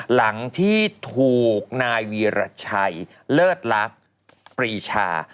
หลังที่ถูกนายวีรชัยเลิศลักษณ์ปรีชา